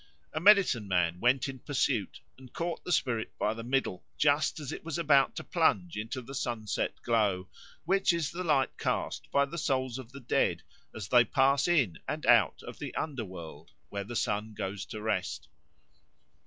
A medicine man went in pursuit and caught the spirit by the middle just as it was about to plunge into the sunset glow, which is the light cast by the souls of the dead as they pass in and out of the under world, where the sun goes to rest.